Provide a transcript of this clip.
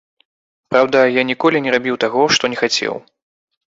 Праўда, я ніколі не рабіў таго, што не хацеў.